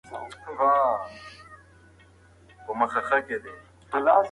د زعفرانو نندارتونونه په هېواد کې جوړېږي.